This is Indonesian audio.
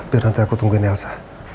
biar nanti aku tungguin elsa